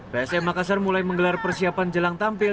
psm makassar mulai menggelar persiapan jelang tampil